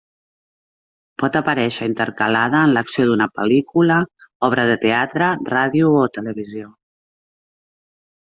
Pot aparèixer intercalada en l’acció d’una pel·lícula, obra de teatre, ràdio o televisió.